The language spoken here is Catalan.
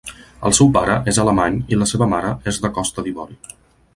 El seu pare és alemany i la seva mare és de Costa d'Ivori.